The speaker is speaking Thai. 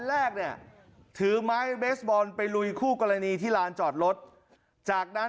แรกเนี่ยถือไม้เบสบอลไปลุยคู่กรณีที่ลานจอดรถจากนั้น